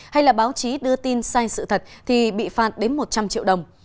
hay là báo chí đưa tin sai sự thật thì bị phạt đến một trăm linh triệu đồng